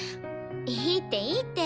いいっていいって。